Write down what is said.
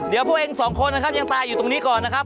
เดี๋ยวพวกเองสองคนนะครับยังตายอยู่ตรงนี้ก่อนนะครับ